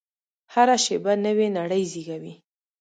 هره شېبه نوې نړۍ زېږوي.